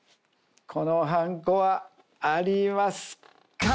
このはんこはありますか？